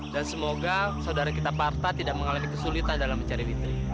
dan semoga saudara kita partha tidak mengalami kesulitan dalam mencari witri